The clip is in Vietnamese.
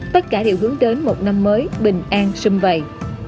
tất cả đều hướng đến một năm mới bình an xung vầy